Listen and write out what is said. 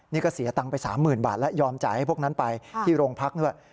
นี่ก็เสียตังค์ไป๓๐๐๐บาทแล้วยอมจ่ายให้พวกนั้นไปที่โรงพักด้วย